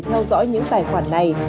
theo dõi những tài khoản này